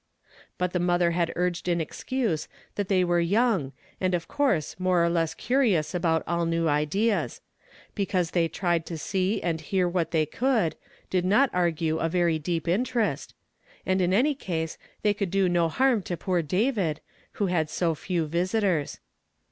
But the mother had urged in excuse that they were young, and of course mor« or less curious about all new ideas ; because tiiej tried to see and hear what they could, did not argue a very deep interest ; and in any case they could do no harm to poor David, who l.uul so few visitors.